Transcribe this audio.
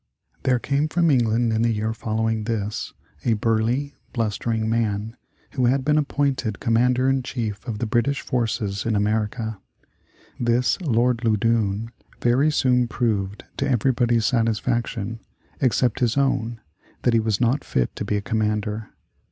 There came from England in the year following this a burly, blustering man, who had been appointed commander in chief of the British forces in America. This Lord Loudoun very soon proved to everybody's satisfaction except his own that he was not fit to be a commander.